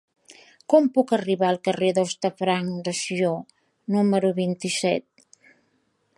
Com puc arribar al carrer d'Hostafrancs de Sió número vint-i-set?